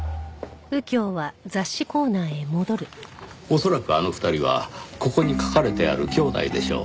恐らくあの２人はここに書かれてあるきょうだいでしょう。